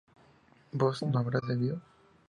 ¿vos no habrás bebido?